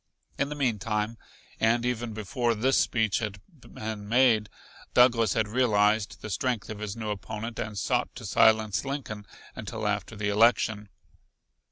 In the meantime, and even before this speech had been made, Douglas had realized the strength of his new opponent, and sought to silence Lincoln until after the election.